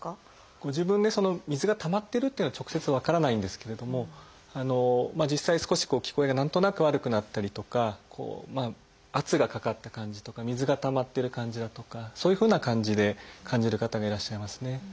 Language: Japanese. ご自分で水がたまってるっていうのは直接分からないんですけれども実際少し聞こえが何となく悪くなったりとか圧がかかった感じとか水がたまってる感じだとかそういうふうな感じで感じる方がいらっしゃいますね。